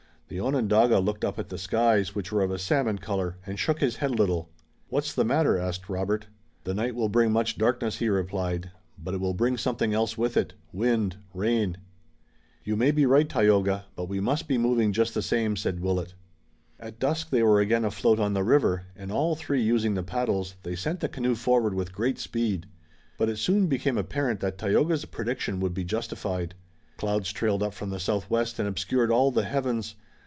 The Onondaga looked up at the skies, which were of a salmon color, and shook his head a little. "What's the matter?" asked Robert. "The night will bring much darkness," he replied, "but it will bring something else with it wind, rain." "You may be right, Tayoga, but we must be moving, just the same," said Willet. At dusk they were again afloat on the river and, all three using the paddles, they sent the canoe forward with great speed. But it soon became apparent that Tayoga's prediction would be justified. Clouds trailed up from the southwest and obscured all the heavens.